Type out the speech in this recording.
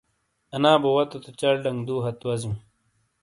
آنا بو واتو تو چل ڈک دو ہتھ وزیوں